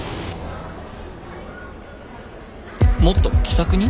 もっと気さくに？